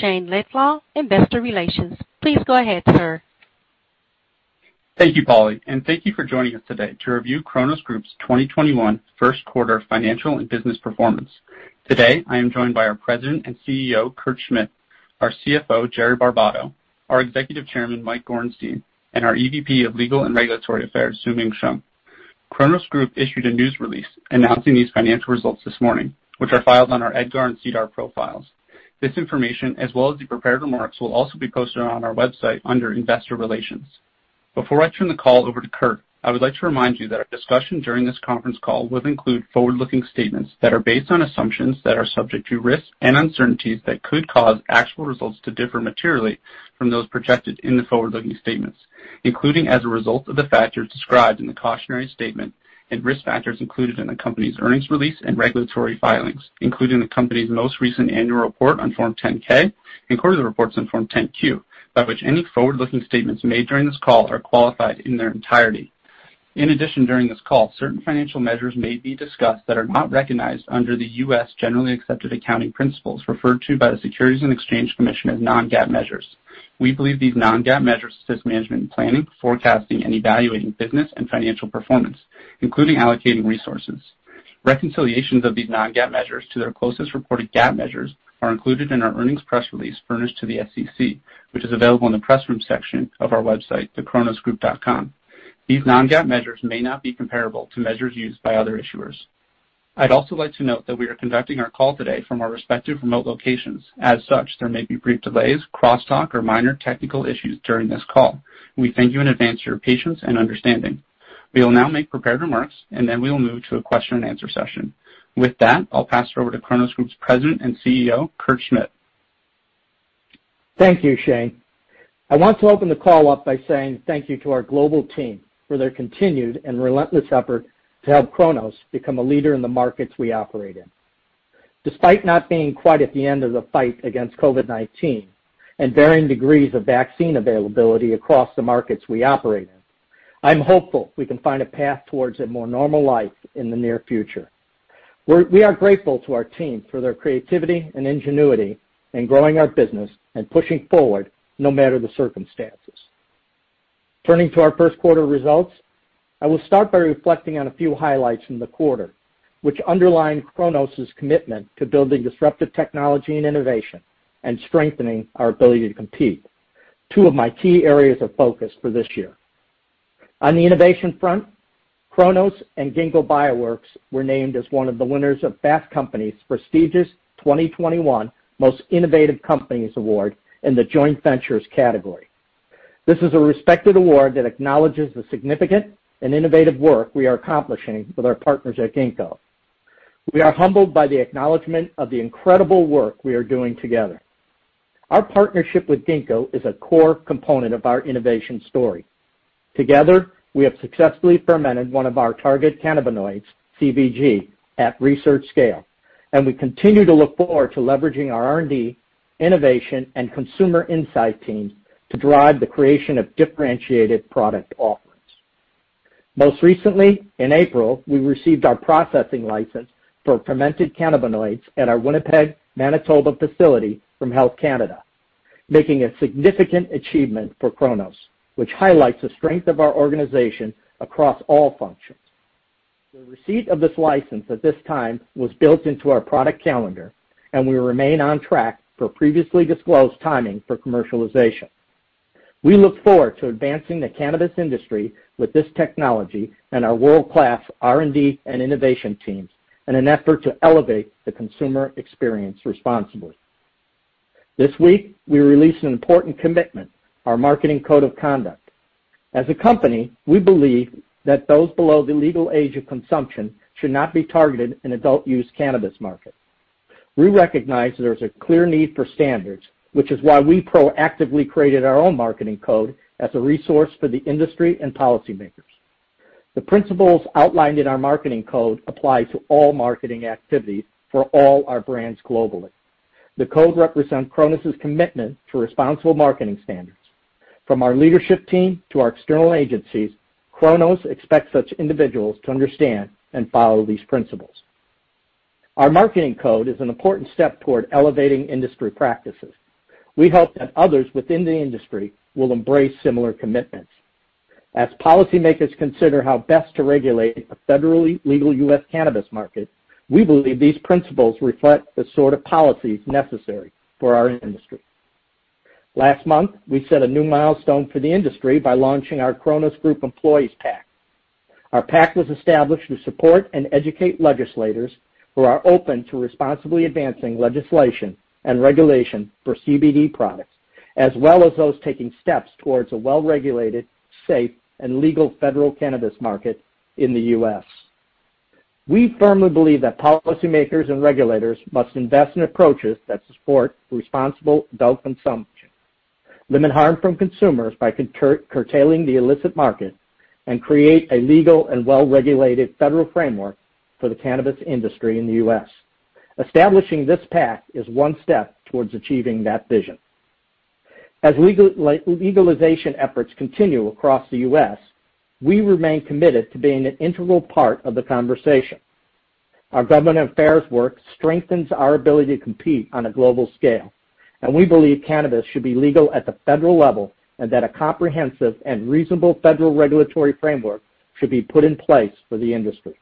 Shayne Laidlaw, investor relations. Please go ahead, sir. Thank you, Polly, and thank you for joining us today to review Cronos Group's 2021 first quarter financial and business performance. Today, I am joined by our President and Chief Executive Officer, Kurt Schmidt, our Chief Financial Officer, Jerry Barbato, our Executive Chairman, Mike Gorenstein, and our Executive Vice President of Legal and Regulatory Affairs, Xiuming Shum. Cronos Group issued a news release announcing these financial results this morning, which are filed on our EDGAR and SEDAR profiles. This information, as well as the prepared remarks, will also be posted on our website under investor relations. Before I turn the call over to Kurt, I would like to remind you that our discussion during this conference call will include forward-looking statements that are based on assumptions that are subject to risks and uncertainties that could cause actual results to differ materially from those projected in the forward-looking statements, including as a result of the factors described in the cautionary statement and risk factors included in the company's earnings release and regulatory filings, including the company's most recent annual report on Form 10-K and quarterly reports on Form 10-Q, by which any forward-looking statements made during this call are qualified in their entirety. In addition, during this call, certain financial measures may be discussed that are not recognized under the U.S. generally accepted accounting principles, referred to by the Securities and Exchange Commission as non-GAAP measures. We believe these non-GAAP measures assist management in planning, forecasting, and evaluating business and financial performance, including allocating resources. Reconciliations of these non-GAAP measures to their closest reported GAAP measures are included in our earnings press release furnished to the SEC, which is available in the press room section of our website, thecronosgroup.com. These non-GAAP measures may not be comparable to measures used by other issuers. I'd also like to note that we are conducting our call today from our respective remote locations. As such, there may be brief delays, crosstalk, or minor technical issues during this call. We thank you in advance for your patience and understanding. We will now make prepared remarks, and then we will move to a question and answer session. With that, I'll pass it over to Cronos Group's President and Chief Executive Officer, Kurt Schmidt. Thank you, Shayne. I want to open the call up by saying thank you to our global team for their continued and relentless effort to help Cronos become a leader in the markets we operate in. Despite not being quite at the end of the fight against COVID-19 and varying degrees of vaccine availability across the markets we operate in, I'm hopeful we can find a path towards a more normal life in the near future. We are grateful to our team for their creativity and ingenuity in growing our business and pushing forward, no matter the circumstances. Turning to our first quarter results, I will start by reflecting on a few highlights from the quarter, which underline Cronos' commitment to building disruptive technology and innovation and strengthening our ability to compete, two of my key areas of focus for this year. On the innovation front, Cronos and Ginkgo Bioworks were named as one of the winners of Fast Company's prestigious 2021 Most Innovative Companies award in the Joint Ventures category. This is a respected award that acknowledges the significant and innovative work we are accomplishing with our partners at Ginkgo. We are humbled by the acknowledgment of the incredible work we are doing together. Our partnership with Ginkgo is a core component of our innovation story. Together, we have successfully fermented one of our target cannabinoids, CBG, at research scale, and we continue to look forward to leveraging our R&D, innovation, and consumer insight teams to drive the creation of differentiated product offerings. Most recently, in April, we received our processing license for fermented cannabinoids at our Winnipeg, Manitoba facility from Health Canada, making a significant achievement for Cronos, which highlights the strength of our organization across all functions. The receipt of this license at this time was built into our product calendar, and we remain on track for previously disclosed timing for commercialization. We look forward to advancing the cannabis industry with this technology and our world-class R&D and innovation teams in an effort to elevate the consumer experience responsibly. This week, we released an important commitment, our marketing code of conduct. As a company, we believe that those below the legal age of consumption should not be targeted in adult-use cannabis markets. We recognize there is a clear need for standards, which is why we proactively created our own marketing code as a resource for the industry and policymakers. The principles outlined in our marketing code apply to all marketing activities for all our brands globally. The code represents Cronos' commitment to responsible marketing standards. From our leadership team to our external agencies, Cronos expects such individuals to understand and follow these principles. Our marketing code is an important step toward elevating industry practices. We hope that others within the industry will embrace similar commitments. As policymakers consider how best to regulate a federally legal U.S. cannabis market, we believe these principles reflect the sort of policies necessary for our industry. Last month, we set a new milestone for the industry by launching our Cronos Group Employees PAC. Our PAC was established to support and educate legislators who are open to responsibly advancing legislation and regulation for CBD products, as well as those taking steps towards a well-regulated, safe, and legal federal cannabis market in the U.S. We firmly believe that policymakers and regulators must invest in approaches that support responsible adult consumption, limit harm from consumers by curtailing the illicit market, and create a legal and well-regulated federal framework for the cannabis industry in the U.S. Establishing this PAC is one step towards achieving that vision. As legalization efforts continue across the U.S., we remain committed to being an integral part of the conversation. Our government affairs work strengthens our ability to compete on a global scale, and we believe cannabis should be legal at the federal level and that a comprehensive and reasonable federal regulatory framework should be put in place for the industry.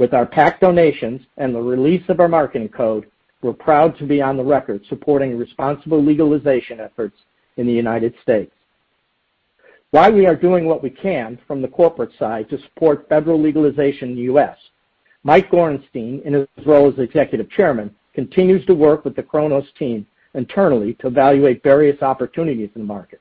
With our PAC donations and the release of our marketing code, we're proud to be on the record supporting responsible legalization efforts in the United States. While we are doing what we can from the corporate side to support federal legalization in the U.S., Mike Gorenstein, in his role as Executive Chairman, continues to work with the Cronos team internally to evaluate various opportunities in the market.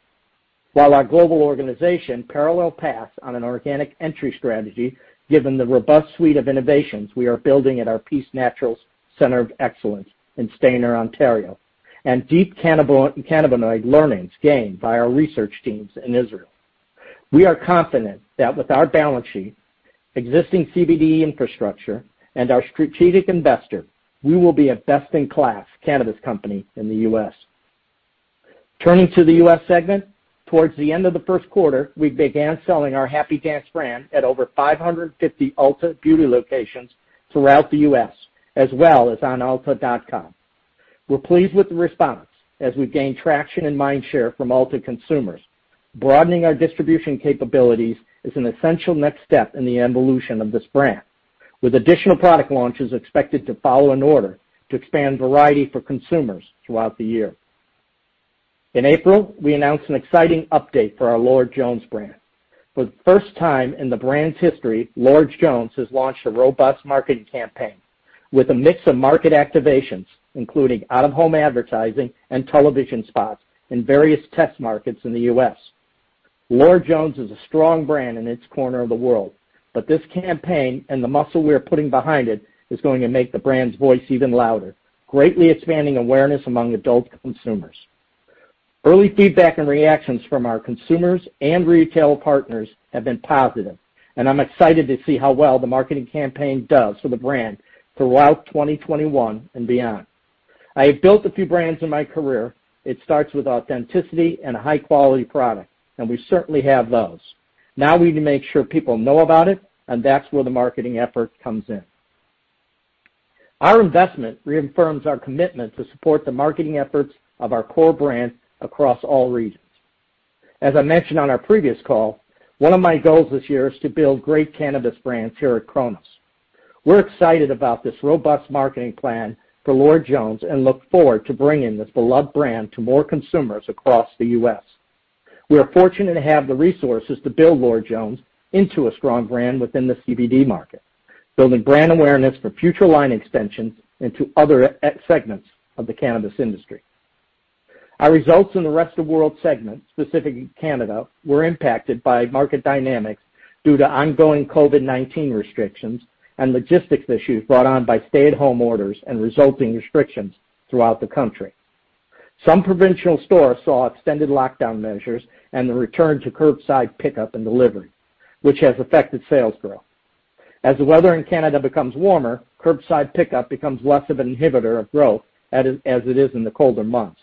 While our global organization parallel paths on an organic entry strategy, given the robust suite of innovations we are building at our PEACE NATURALS Center of Excellence in Stayner, Ontario, and deep cannabinoid learnings gained by our research teams in Israel, we are confident that with our balance sheet, existing CBD infrastructure, and our strategic investor, we will be a best-in-class cannabis company in the U.S. Turning to the U.S. segment, towards the end of the first quarter, we began selling our Happy Dance brand at over 550 Ulta Beauty locations throughout the U.S., as well as on ulta.com. We're pleased with the response as we gain traction and mind share from Ulta consumers. Broadening our distribution capabilities is an essential next step in the evolution of this brand, with additional product launches expected to follow in order to expand variety for consumers throughout the year. In April, we announced an exciting update for our Lord Jones brand. For the first time in the brand's history, Lord Jones has launched a robust marketing campaign with a mix of market activations, including out-of-home advertising and television spots in various test markets in the U.S. Lord Jones is a strong brand in its corner of the world. This campaign and the muscle we are putting behind it is going to make the brand's voice even louder, greatly expanding awareness among adult consumers. Early feedback and reactions from our consumers and retail partners have been positive, and I'm excited to see how well the marketing campaign does for the brand throughout 2021 and beyond. I have built a few brands in my career. It starts with authenticity and a high-quality product, and we certainly have those. Now we need to make sure people know about it, and that's where the marketing effort comes in. Our investment reaffirms our commitment to support the marketing efforts of our core brand across all regions. As I mentioned on our previous call, one of my goals this year is to build great cannabis brands here at Cronos. We're excited about this robust marketing plan for Lord Jones and look forward to bringing this beloved brand to more consumers across the U.S. We are fortunate to have the resources to build Lord Jones into a strong brand within the CBD market, building brand awareness for future line extensions into other segments of the cannabis industry. Our results in the rest of world segment, specifically Canada, were impacted by market dynamics due to ongoing COVID-19 restrictions and logistics issues brought on by stay-at-home orders and resulting restrictions throughout the country. Some provincial stores saw extended lockdown measures and the return to curbside pickup and delivery, which has affected sales growth. As the weather in Canada becomes warmer, curbside pickup becomes less of an inhibitor of growth as it is in the colder months.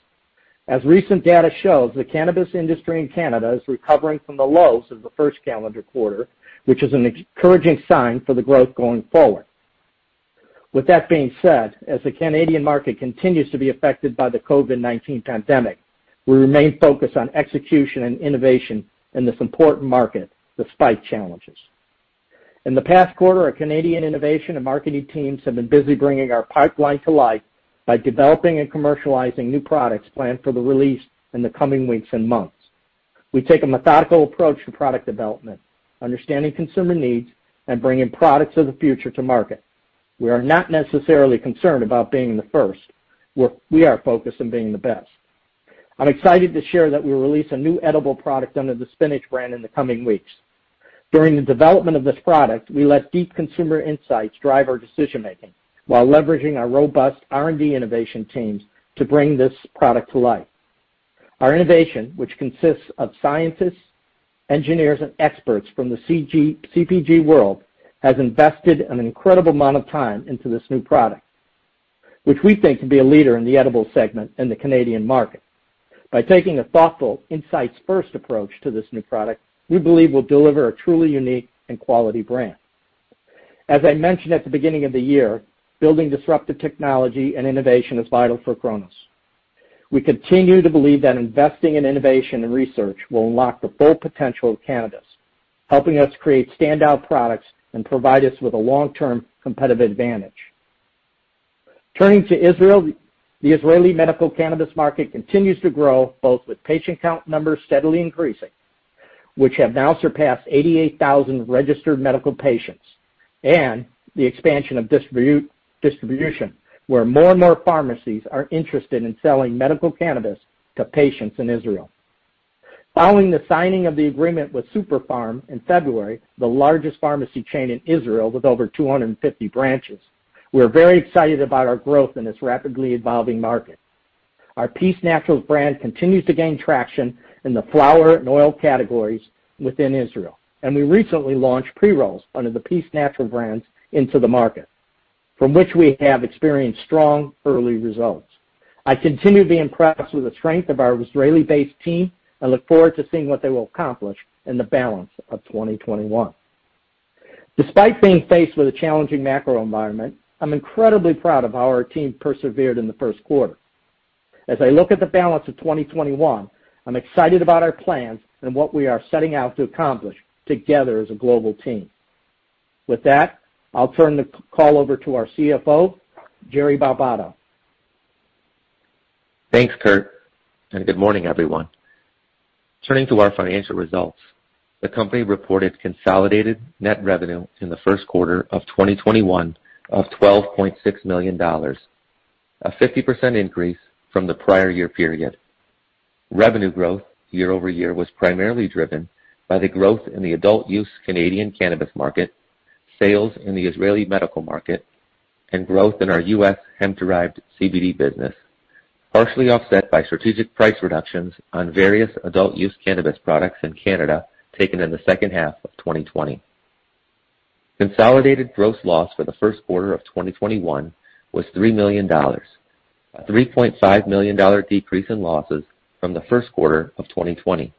As recent data shows, the cannabis industry in Canada is recovering from the lows of the first calendar quarter, which is an encouraging sign for the growth going forward. With that being said, as the Canadian market continues to be affected by the COVID-19 pandemic, we remain focused on execution and innovation in this important market, despite challenges. In the past quarter, our Canadian innovation and marketing teams have been busy bringing our pipeline to life by developing and commercializing new products planned for the release in the coming weeks and months. We take a methodical approach to product development, understanding consumer needs and bringing products of the future to market. We are not necessarily concerned about being the first. We are focused on being the best. I'm excited to share that we release a new edible product under the Spinach brand in the coming weeks. During the development of this product, we let deep consumer insights drive our decision-making while leveraging our robust R&D innovation teams to bring this product to life. Our innovation, which consists of scientists, engineers, and experts from the CPG world, has invested an incredible amount of time into this new product, which we think could be a leader in the edible segment in the Canadian market. By taking a thoughtful, insights-first approach to this new product, we believe we'll deliver a truly unique and quality brand. As I mentioned at the beginning of the year, building disruptive technology and innovation is vital for Cronos. We continue to believe that investing in innovation and research will unlock the full potential of cannabis, helping us create standout products and provide us with a long-term competitive advantage. Turning to Israel, the Israeli medical cannabis market continues to grow, both with patient count numbers steadily increasing, which have now surpassed 88,000 registered medical patients, and the expansion of distribution, where more and more pharmacies are interested in selling medical cannabis to patients in Israel. Following the signing of the agreement with Super-Pharm in February, the largest pharmacy chain in Israel with over 250 branches, we are very excited about our growth in this rapidly evolving market. Our PEACE NATURALS brand continues to gain traction in the flower and oil categories within Israel, and we recently launched pre-rolls under the PEACE NATURALS brands into the market. From which we have experienced strong early results. I continue to be impressed with the strength of our Israeli-based team. I look forward to seeing what they will accomplish in the balance of 2021. Despite being faced with a challenging macro environment, I'm incredibly proud of how our team persevered in the first quarter. As I look at the balance of 2021, I'm excited about our plans and what we are setting out to accomplish together as a global team. With that, I'll turn the call over to our Chief Financial Officer, Jerry Barbato. Thanks, Kurt, and good morning, everyone. Turning to our financial results, the company reported consolidated net revenue in the first quarter of 2021 of 12.6 million dollars, a 50% increase from the prior year period. Revenue growth year-over-year was primarily driven by the growth in the adult use Canadian cannabis market, sales in the Israeli medical market, and growth in our U.S. hemp-derived CBD business, partially offset by strategic price reductions on various adult-use cannabis products in Canada taken in the second half of 2020. Consolidated gross loss for the first quarter of 2021 was 3 million dollars, a 3.5 million dollar decrease in losses from the first quarter of 2020.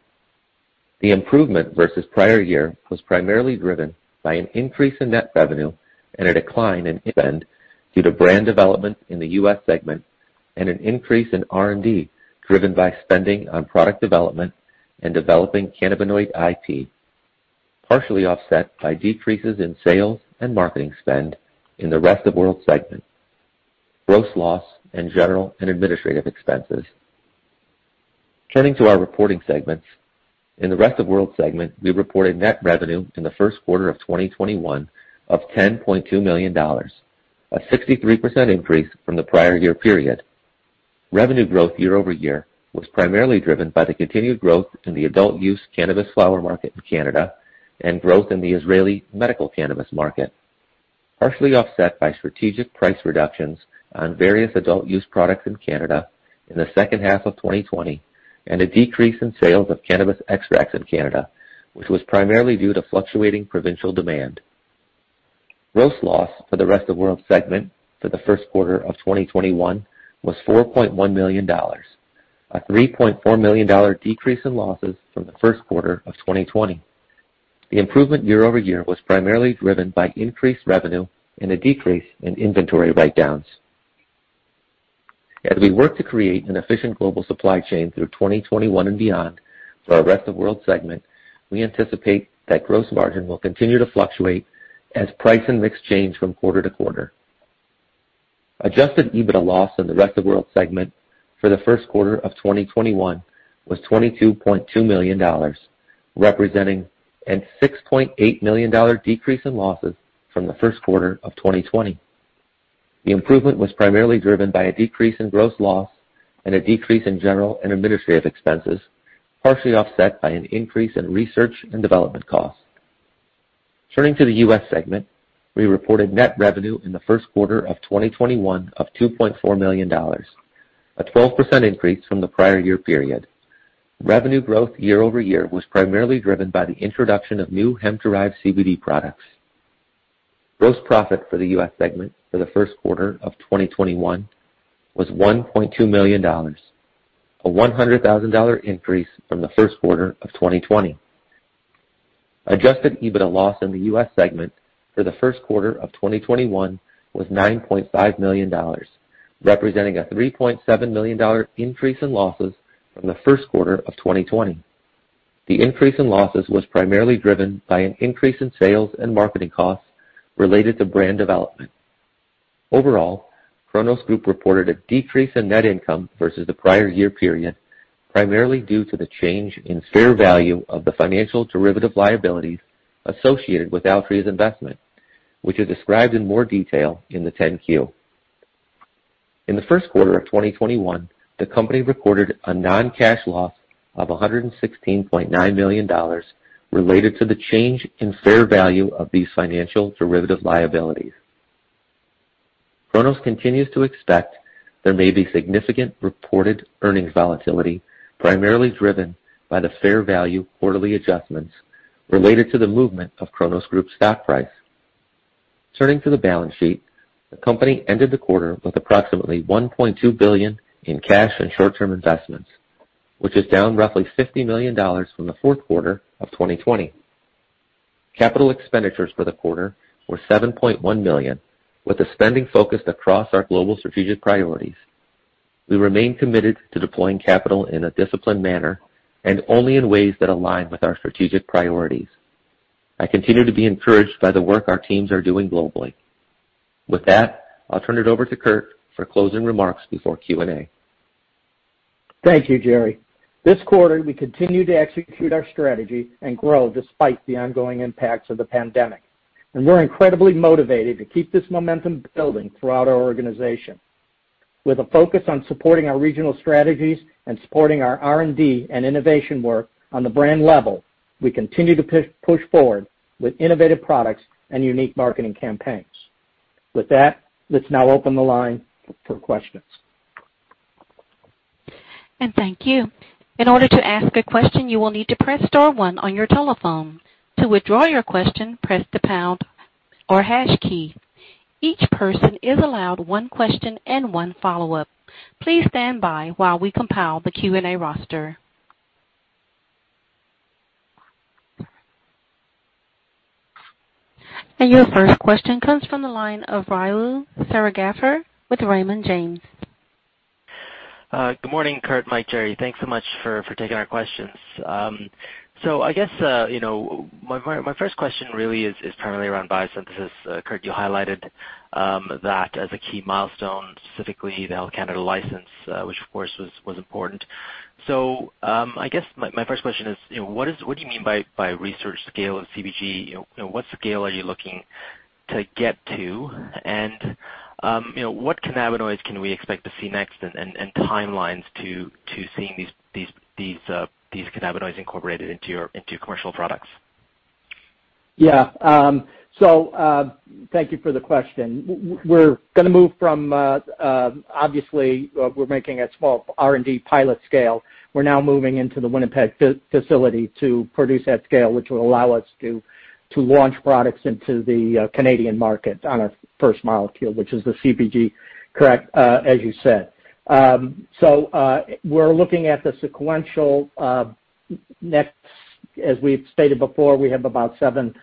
The improvement versus prior year was primarily driven by an increase in net revenue and a decline in spend due to brand development in the U.S. segment and an increase in R&D, driven by spending on product development and developing cannabinoid IP, partially offset by decreases in sales and marketing spend in the rest of world segment, gross loss, and general and administrative expenses. Turning to our reporting segments, in the rest of world segment, we reported net revenue in the first quarter of 2021 of 10.2 million dollars, a 63% increase from the prior year period. Revenue growth year-over-year was primarily driven by the continued growth in the adult use cannabis flower market in Canada and growth in the Israeli medical cannabis market, partially offset by strategic price reductions on various adult-use products in Canada in the second half of 2020 and a decrease in sales of cannabis extracts in Canada, which was primarily due to fluctuating provincial demand. Gross loss for the rest of world segment for the first quarter of 2021 was 4.1 million dollars, a 3.4 million dollar decrease in losses from the first quarter of 2020. The improvement year-over-year was primarily driven by increased revenue and a decrease in inventory write-downs. As we work to create an efficient global supply chain through 2021 and beyond for our rest of world segment, we anticipate that gross margin will continue to fluctuate as price and mix change from quarter-to-quarter. Adjusted EBITDA loss in the rest-of-world segment for the first quarter of 2021 was 22.2 million dollars, representing a 6.8 million dollar decrease in losses from the first quarter of 2020. The improvement was primarily driven by a decrease in gross loss and a decrease in general and administrative expenses, partially offset by an increase in research and development costs. Turning to the U.S. segment, we reported net revenue in the first quarter of 2021 of $2.4 million, a 12% increase from the prior year period. Revenue growth year-over-year was primarily driven by the introduction of new hemp-derived CBD products. Gross profit for the U.S. segment for the first quarter of 2021 was $1.2 million, a $100,000 increase from the first quarter of 2020. Adjusted EBITDA loss in the U.S. segment for the first quarter of 2021 was $9.5 million, representing a $3.7 million increase in losses from the first quarter of 2020. The increase in losses was primarily driven by an increase in sales and marketing costs related to brand development. Overall, Cronos Group reported a decrease in net income versus the prior year period, primarily due to the change in fair value of the financial derivative liabilities associated with Altria's investment, which is described in more detail in the 10-Q. In the first quarter of 2021, the company reported a non-cash loss of $116.9 million related to the change in fair value of these financial derivative liabilities. Cronos continues to expect there may be significant reported earnings volatility, primarily driven by the fair value quarterly adjustments related to the movement of Cronos Group's stock price. Turning to the balance sheet, the company ended the quarter with approximately 1.2 billion in cash and short-term investments, which is down roughly 50 million dollars from the fourth quarter of 2020. Capital expenditures for the quarter were 7.1 million, with the spending focused across our global strategic priorities. We remain committed to deploying capital in a disciplined manner and only in ways that align with our strategic priorities. I continue to be encouraged by the work our teams are doing globally. With that, I'll turn it over to Kurt for closing remarks before Q&A. Thank you, Jerry. This quarter, we continued to execute our strategy and grow despite the ongoing impacts of the pandemic, and we're incredibly motivated to keep this momentum building throughout our organization. With a focus on supporting our regional strategies and supporting our R&D and innovation work on the brand level, we continue to push forward with innovative products and unique marketing campaigns. With that, let's now open the line for questions. Thank you. In order to ask a question, you will need to press star one on your telephone. To withdraw your question, press the pound or hash key. Each person is allowed one question and one follow-up. Please stand by while we compile the Q&A roster. Your first question comes from the line of Rahul Sarugaser with Raymond James. Good morning, Kurt, Mike, Jerry. Thanks so much for taking our questions. My first question really is primarily around biosynthesis. Kurt, you highlighted that as a key milestone, specifically the Health Canada license, which of course, was important. What do you mean by research scale of CBG? What scale are you looking to get to? What cannabinoids can we expect to see next and timelines to seeing these cannabinoids incorporated into your commercial products? Thank you for the question. We're going to move from, obviously, we're making a small R&D pilot scale. We're now moving into the Winnipeg facility to produce at scale, which will allow us to launch products into the Canadian market on a first molecule, which is the CBG, correct, as you said. We're looking at the sequential next, as we've stated before, we have about seven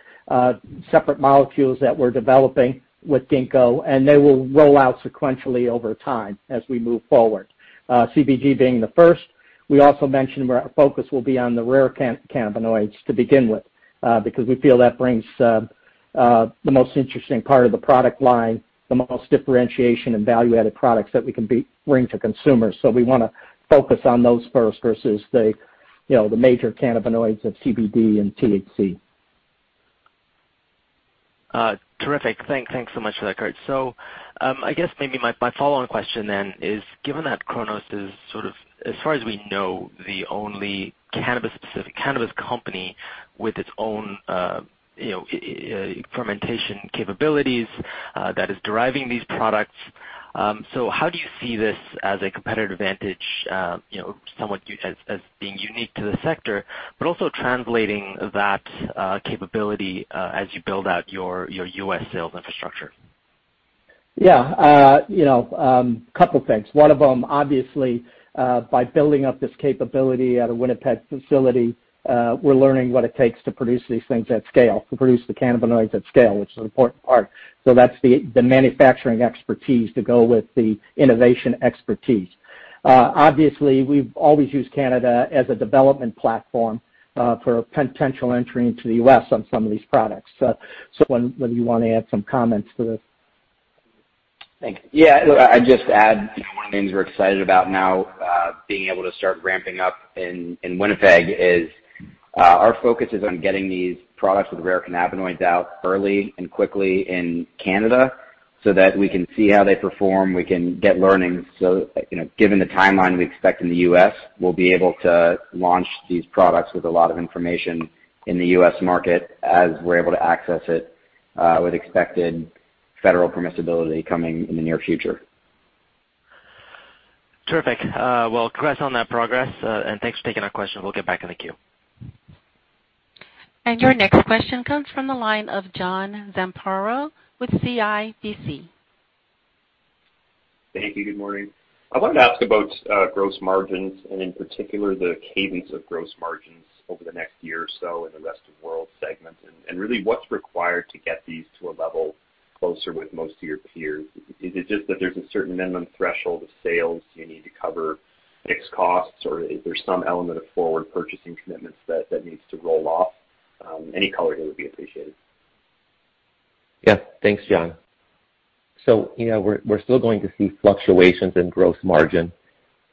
separate molecules that we're developing with Ginkgo, and they will roll out sequentially over time as we move forward. CBG being the first. We also mentioned our focus will be on the rare cannabinoids to begin with, because we feel that brings the most interesting part of the product line, the most differentiation and value-added products that we can bring to consumers. We want to focus on those first versus the major cannabinoids of CBD and THC. Terrific. Thanks so much for that, Kurt. I guess maybe my follow-on question then is, given that Cronos is sort of, as far as we know, the only cannabis company with its own fermentation capabilities that is deriving these products. How do you see this as a competitive advantage, somewhat as being unique to the sector, but also translating that capability, as you build out your U.S. sales infrastructure? Yeah. A couple things. One of them, obviously, by building up this capability at a Winnipeg facility, we're learning what it takes to produce these things at scale, to produce the cannabinoids at scale, which is an important part. That's the manufacturing expertise to go with the innovation expertise. Obviously, we've always used Canada as a development platform for potential entry into the U.S. on some of these products. Whether you want to add some comments to this. Thanks. Yeah, I'd just add, one of the things we're excited about now, being able to start ramping up in Winnipeg is, our focus is on getting these products with rare cannabinoids out early and quickly in Canada so that we can see how they perform, we can get learnings. Given the timeline we expect in the U.S., we'll be able to launch these products with a lot of information in the U.S. market as we're able to access it, with expected federal permissibility coming in the near future. Terrific. Well, congrats on that progress, thanks for taking our question. We'll get back in the queue. Your next question comes from the line of John Zamparo with CIBC. Thank you. Good morning. I wanted to ask about gross margins and in particular, the cadence of gross margins over the next year or so in the rest of world segments, and really what's required to get these to a level closer with most of your peers. Is it just that there's a certain minimum threshold of sales you need to cover fixed costs, or is there some element of forward purchasing commitments that needs to roll off? Any color here would be appreciated. Yeah. Thanks, John. We're still going to see fluctuations in gross margin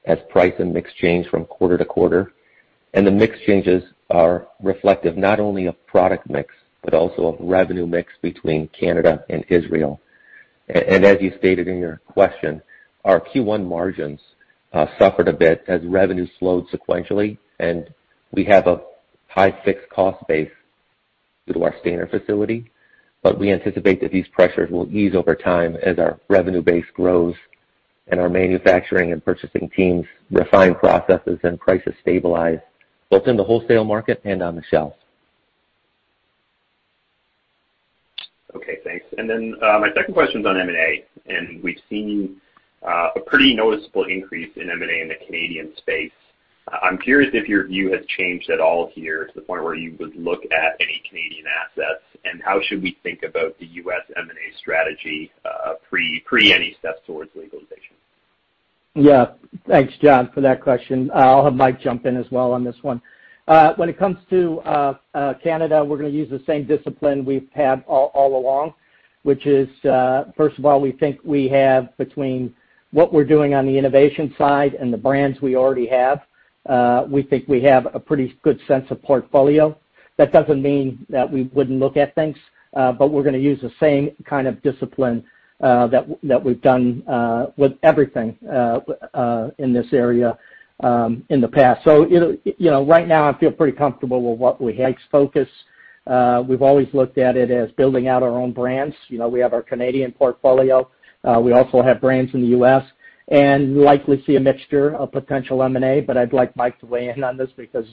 as price and mix change from quarter to quarter. The mix changes are reflective not only of product mix, but also of revenue mix between Canada and Israel. As you stated in your question, our Q1 margins suffered a bit as revenue slowed sequentially, and we have a high fixed cost base due to our Stayner facility. We anticipate that these pressures will ease over time as our revenue base grows and our manufacturing and purchasing teams refine processes and prices stabilize, both in the wholesale market and on the shelf. Okay, thanks. My second question is on M&A. We've seen a pretty noticeable increase in M&A in the Canadian space. I'm curious if your view has changed at all here to the point where you would look at any Canadian assets, and how should we think about the U.S. M&A strategy, pre any steps towards legalization? Thanks, John, for that question. I'll have Mike jump in as well on this one. When it comes to Canada, we're going to use the same discipline we've had all along, which is, first of all, we think we have between what we're doing on the innovation side and the brands we already have, we think we have a pretty good sense of portfolio. That doesn't mean that we wouldn't look at things. We're going to use the same kind of discipline that we've done with everything in this area, in the past. Right now I feel pretty comfortable. We've always looked at it as building out our own brands. We have our Canadian portfolio. We also have brands in the U.S., and you likely see a mixture of potential M&A, but I'd like Mike to weigh in on this because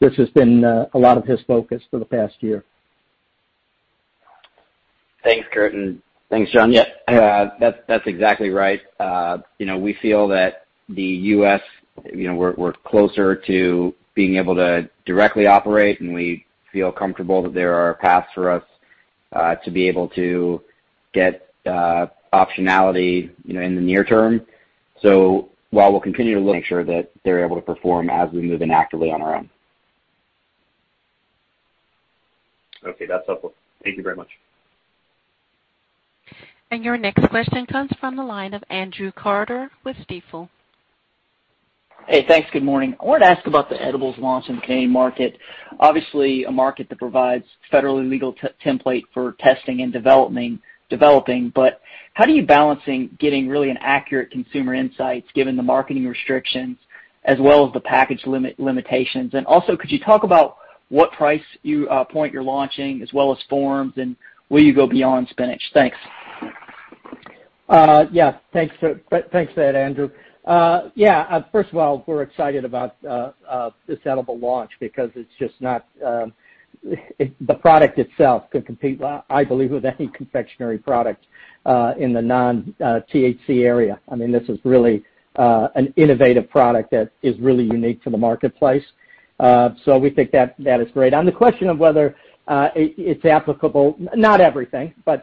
this has been a lot of his focus for the past year. Thanks, Kurt, and thanks, John. Yeah, that's exactly right. We feel that the U.S., we're closer to being able to directly operate, and we feel comfortable that there are paths for us, to be able to get optionality in the near term. While we'll continue to make sure that they're able to perform as we move in actively on our own. Okay. That's helpful. Thank you very much. Your next question comes from the line of Andrew Carter with Stifel. Hey, thanks. Good morning. I wanted to ask about the edibles launch in the Canadian market. Obviously, a market that provides federally legal template for testing and developing, but how are you balancing getting really accurate consumer insights given the marketing restrictions as well as the package limitations? Could you talk about what price point you're launching as well as forms, and will you go beyond Spinach? Thanks. Thanks for that, Andrew. First of all, we're excited about this edible launch because the product itself could compete, I believe, with any confectionery product, in the non-THC area. This is really an innovative product that is really unique to the marketplace. We think that is great. On the question of whether it's applicable, not everything, because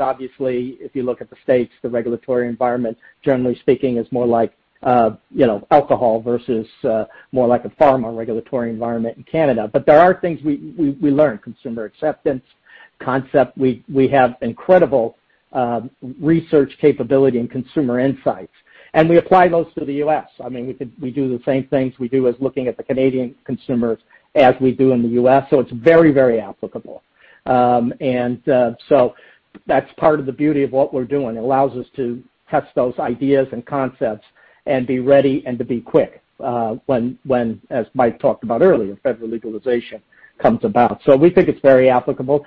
obviously if you look at the U.S., the regulatory environment, generally speaking, is more like alcohol versus more like a pharma regulatory environment in Canada. There are things we learn, consumer acceptance, concept. We have incredible research capability and consumer insights, and we apply those to the U.S. We do the same things we do as looking at the Canadian consumers as we do in the U.S., so it's very applicable. That's part of the beauty of what we're doing. It allows us to test those ideas and concepts and be ready and to be quick, when, as Mike talked about earlier, federal legalization comes about. We think it's very applicable.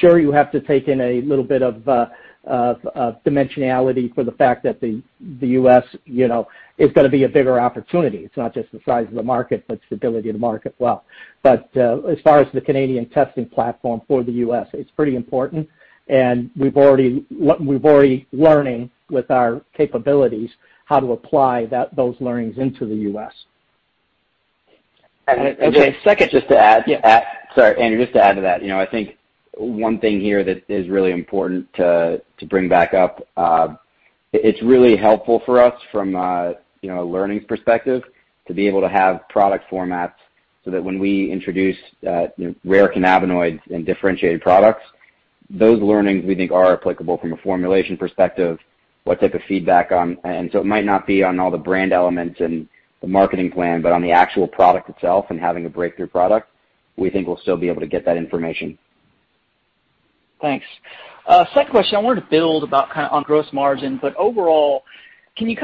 Sure, you have to take in a little bit of dimensionality for the fact that the U.S. is going to be a bigger opportunity. It's not just the size of the market, stability of the market as well. As far as the Canadian testing platform for the U.S., it's pretty important, and we're already learning with our capabilities how to apply those learnings into the U.S. Second, just to add. Sorry, Andrew, just to add to that. I think one thing here that is really important to bring back up, it's really helpful for us from a learning perspective to be able to have product formats so that when we introduce rare cannabinoids and differentiated products, those learnings we think are applicable from a formulation perspective, what type of feedback. It might not be on all the brand elements and the marketing plan, but on the actual product itself and having a breakthrough product, we think we will still be able to get that information. Thanks. Second question, I wanted to build on gross margin, but overall, can you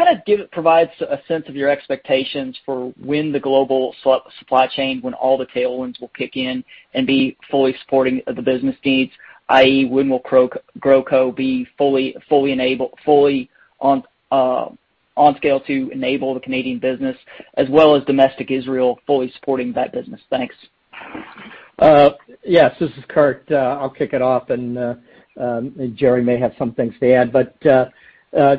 provide a sense of your expectations for when the global supply chain, when all the tailwinds will kick in and be fully supporting the business needs, i.e., when will GrowCo be fully on scale to enable the Canadian business as well as domestic Israel fully supporting that business? Thanks. Yes. This is Kurt. I'll kick it off, and Jerry may have some things to add.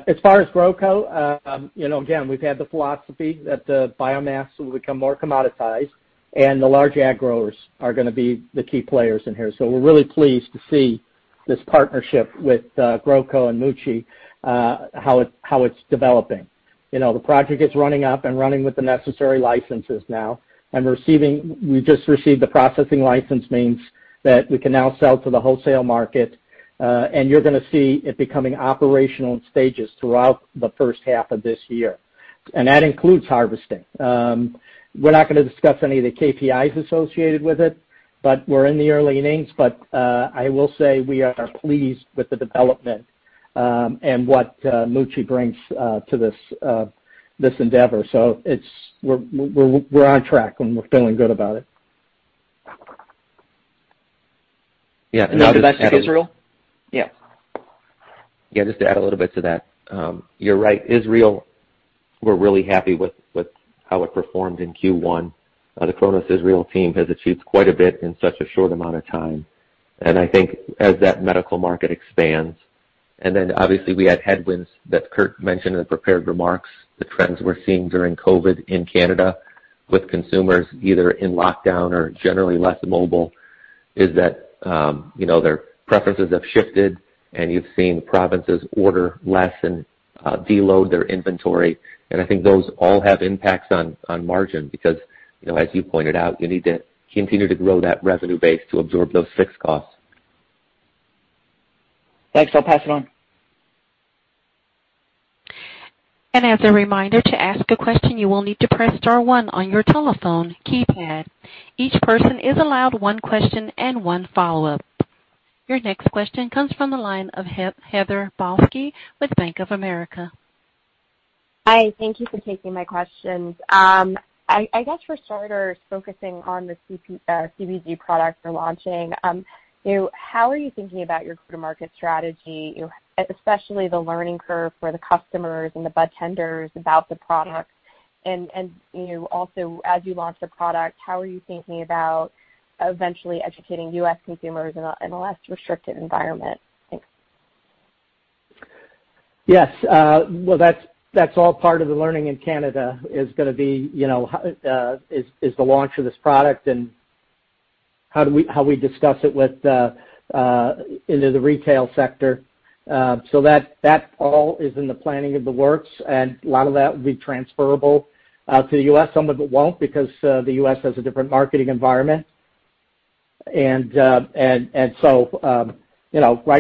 As far as GrowCo, again, we've had the philosophy that the biomass will become more commoditized and the large ag growers are going to be the key players in here. We're really pleased to see this partnership with GrowCo and Mucci, how it's developing. The project is running up and running with the necessary licenses now, and we just received the processing license means that we can now sell to the wholesale market. You're going to see it becoming operational in stages throughout the first half of this year, and that includes harvesting. We're not going to discuss any of the KPIs associated with it, but we're in the early innings. I will say we are pleased with the development, and what Mucci brings to this endeavor. We're on track, and we're feeling good about it. Yeah. Now on just Israel? Yeah. Just to add a little bit to that. You're right, Israel, we're really happy with how it performed in Q1. The Cronos Israel team has achieved quite a bit in such a short amount of time. I think as that medical market expands, obviously we had headwinds that Kurt mentioned in the prepared remarks. The trends we're seeing during COVID in Canada with consumers either in lockdown or generally less mobile, is that their preferences have shifted, you've seen provinces order less and de-load their inventory. I think those all have impacts on margin because as you pointed out, you need to continue to grow that revenue base to absorb those fixed costs. Thanks. I'll pass it on. As a reminder, to ask a question, you will need to press star one on your telephone keypad. Each person is allowed one question and one follow-up. Your next question comes from the line of Heather Balsky with Bank of America. Hi, thank you for taking my questions. I guess for starters, focusing on the CBD product you're launching, how are you thinking about your go-to-market strategy, especially the learning curve for the customers and the budtenders about the product? Also, as you launch the product, how are you thinking about eventually educating U.S. consumers in a less restrictive environment? Thanks. Yes. Well, that's all part of the learning in Canada, is the launch of this product and how we discuss it into the retail sector. That all is in the planning of the works, and a lot of that will be transferable to the U.S. Some of it won't because the U.S. has a different marketing environment. Right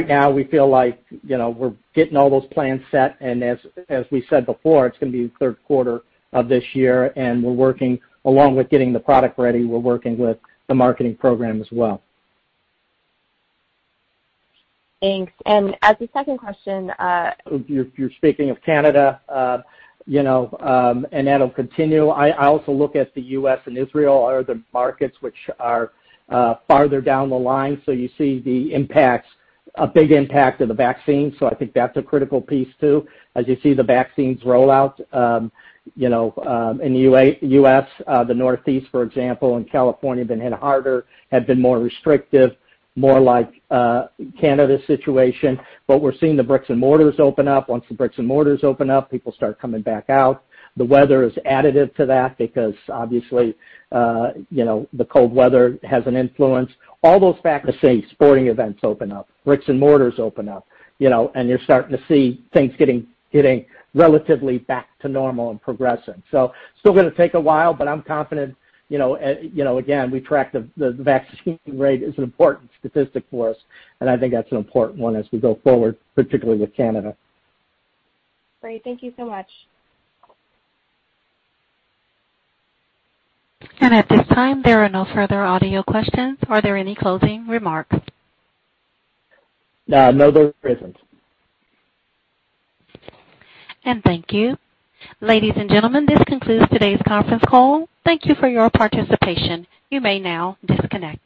now we feel like we're getting all those plans set and as we said before, it's going to be the third quarter of this year, and along with getting the product ready, we're working with the marketing program as well. Thanks. As a second question- You're speaking of Canada, that'll continue. I also look at the U.S. and Israel are the markets which are farther down the line, you see the big impact of the vaccine. I think that's a critical piece, too. As you see the vaccines roll out in the U.S., the Northeast, for example, and California have been hit harder, have been more restrictive, more like Canada's situation. We're seeing the bricks and mortars open up. Once the bricks and mortars open up, people start coming back out. The weather is additive to that because obviously, the cold weather has an influence. All those factors, say, sporting events open up, bricks and mortars open up, you're starting to see things getting relatively back to normal and progressing. Still going to take a while, but I'm confident. We track the vaccine rate as an important statistic for us, and I think that's an important one as we go forward, particularly with Canada. Great. Thank you so much. At this time, there are no further audio questions. Are there any closing remarks? No, there isn't. Thank you. Ladies and gentlemen, this concludes today's conference call. Thank you for your participation. You may now disconnect.